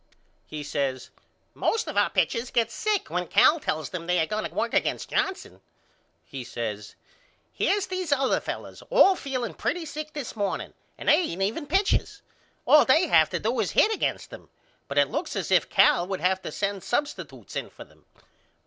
He says Most of our pitchers get sick when Cal tells them they are going to work against Johnson. He says Here's these other fellows all feeling pretty sick this morning and they ain't even pitchers. All they have to do is hit against him but it looks like as if Cal would have to send substitutes in for them.